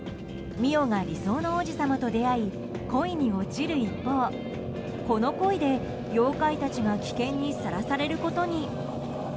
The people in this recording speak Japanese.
澪が理想の王子様と出会い恋に落ちる一方この恋で妖怪たちが危険にさらされることに。